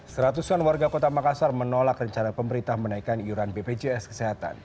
seratusan warga kota makassar menolak rencana pemerintah menaikkan iuran bpjs kesehatan